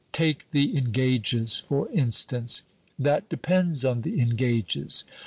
Take the engages, [note 3] for instance " "That depends on the engages.